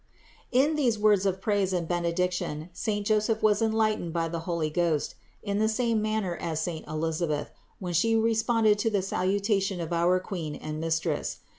In these words of praise and benediction saint Joseph was enlightened by the Holy Ghost, in the same manner as saint Elisabeth, when she responded to the salutation of our Queen and Mistress.